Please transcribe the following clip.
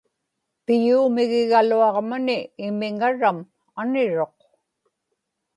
piyuumigigaluaġmani imiŋaram aniruq